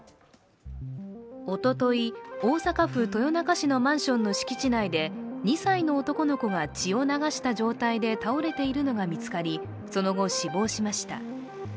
おととい、大阪府豊中市のマンションの敷地内で２歳の男の子が血を流した状態で倒れているのが見つかり、その後、死亡しました。